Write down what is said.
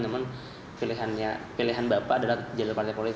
namun pilihan bapak adalah jalur partai politik